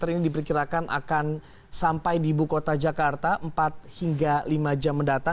ini diperkirakan akan sampai di ibu kota jakarta empat hingga lima jam mendatang